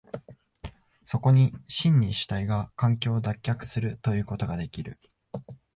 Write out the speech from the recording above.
そこに真に主体が環境を脱却するということができる。